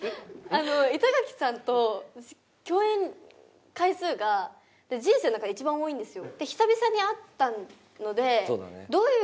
板垣さんと共演回数が人生の中で一番多いんですよ